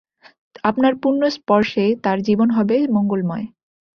আপনার পুণ্য স্পর্শে তার জীবন হবে মঙ্গলময়।